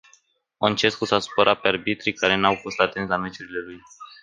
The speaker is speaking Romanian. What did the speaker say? Oncescu s-a supărat pe arbitrii care n-au fost atenți la meciurile lui.